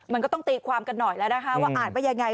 มันก็ต้องตีความกันหน่อยแล้วนะคะว่าอ่านว่ายังไง